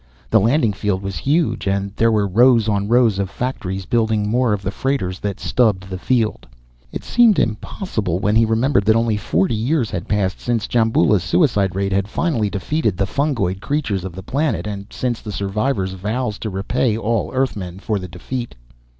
The landing field was huge, and there were rows on rows of factories building more of the freighters that stubbed the field. It seemed impossible, when he remembered that only forty years had passed since Djamboula's suicide raid had finally defeated the fungoid creatures of the planet and since the survivors' vows to repay all Earthmen for their defeat.